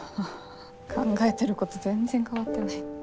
考えてること全然変わってない。